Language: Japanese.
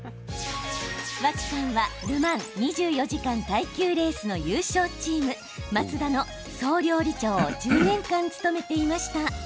脇さんはル・マン２４時間耐久レースの優勝チーム、マツダの総料理長を１０年間、務めていました。